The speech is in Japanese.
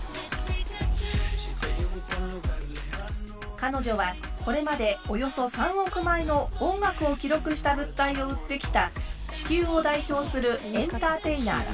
彼女はこれまでおよそ３億枚も音楽を記録した物体を売ってきた地球を代表するエンターテイナーだ。